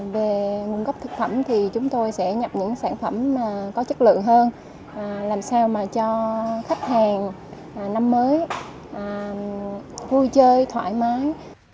về nguồn gốc thực phẩm thì chúng tôi sẽ nhập những sản phẩm có chất lượng hơn làm sao mà cho khách hàng năm mới vui chơi thoải mái